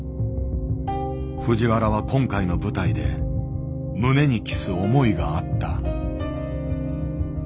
藤原は今回の舞台で胸に期す思いがあった。